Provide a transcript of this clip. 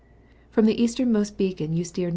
From the easternmost beacon you steer N.